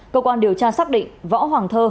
cơ quan điều tra xác định võ hoàng thơ